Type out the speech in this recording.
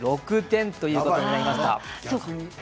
２６点ということになりました。